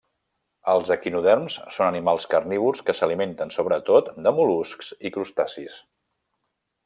Els equinoderms són animals carnívors que s'alimenten, sobretot, de mol·luscs i crustacis.